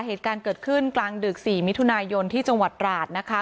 เหตุการณ์เกิดขึ้นกลางดึก๔มิถุนายนที่จังหวัดราชนะคะ